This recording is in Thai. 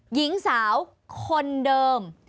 หญิงสาวคนเดิม